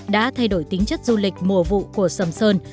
đã thay đổi tính chất du lịch mùa vụ của sầm sơn